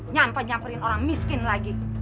nyampe nyamperin orang miskin lagi